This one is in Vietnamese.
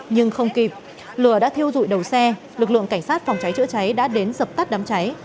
nhưng không kịp lửa đã thiêu dụi đầu xe lực lượng cảnh sát phòng cháy chữa cháy đã đến dập tắt đám cháy